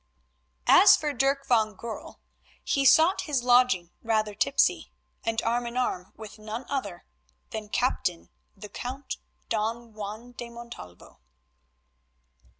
As for Dirk van Goorl, he sought his lodging rather tipsy, and arm in arm with none other than Captain the Count Don Juan de Montalvo.